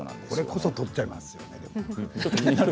これこそ取っちゃいますよね。